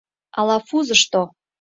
— Алафузышто.